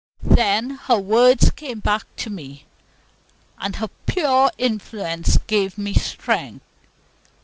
Then her words came back to me, and her pure influence gave me strength.